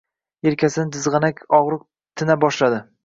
Yelkasini jizg‘anak og‘riq tina boshladi.